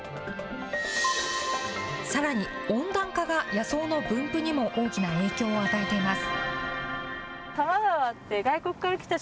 さらに、温暖化が、野草の分布にも大きな影響を与えています。